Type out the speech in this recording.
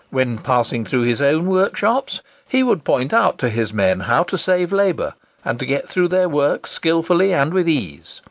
When passing through his own workshops, he would point out to his men how to save labour, and to get through their work skilfully and with ease.